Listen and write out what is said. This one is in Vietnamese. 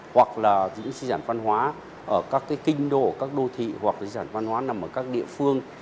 hoặc là di sản văn hóa ở các kinh đô các đô thị hoặc di sản văn hóa nằm ở các địa phương